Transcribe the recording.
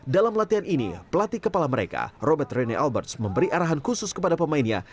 dalam latihan ini pelatih kepala mereka robert rene alberts memberi arahan khusus kepada pemainnya